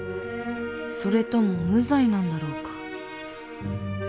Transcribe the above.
それとも無罪なんだろうか。